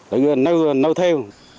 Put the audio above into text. để nâu theo